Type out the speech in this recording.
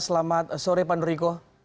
selamat sore pak noriko